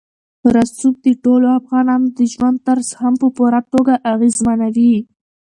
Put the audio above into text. رسوب د ټولو افغانانو د ژوند طرز هم په پوره توګه اغېزمنوي.